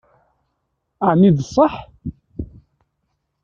Ɛni d ṣṣeḥ?